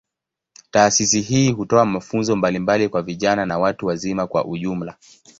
Taasisi hii hutoa mafunzo mbalimbali kwa vijana na watu wazima kwa ujumla.